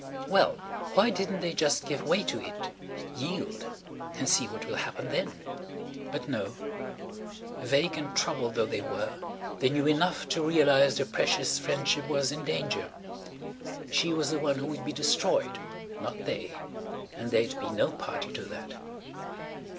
Well. Why didn't they just give way to it–yield–and see what will happen then? But no. Vague and troubled though they were, they knew enough to realize their precious friendship was in danger. She was the one who would be destroyed–not they–and they'd be no party to that.